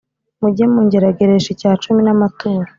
Mujye mungerageresha icyacumi n’amaturo